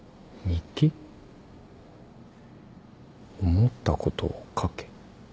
思ったことを書け。